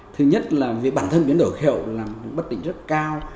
thứ nhất là vì bản thân biến đổi khí hậu là một bất tỉnh rất cao